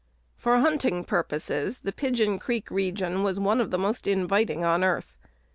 For hunting purposes, the Pigeon Creek region was one of the most inviting on earth.